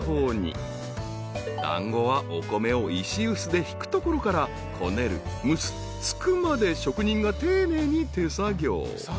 ［団子はお米を石臼でひくところからこねる蒸すつくまで職人が丁寧に手作業］